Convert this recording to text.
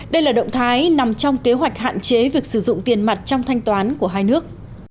đây là động thái nằm trong kế hoạch hạn chế việc sử dụng tiền mặt trong thanh toán của hai nước